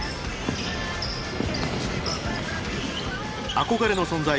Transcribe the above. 憧れの存在